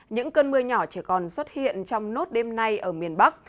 những cơn mưa nhỏ chỉ còn xuất hiện trong nốt đêm nay ở miền bắc